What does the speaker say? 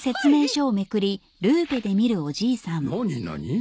何何？